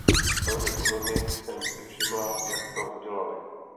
Velmi pozorně jsem si všimla, jak to udělali.